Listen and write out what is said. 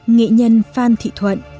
nghệ nhân phan thị thuận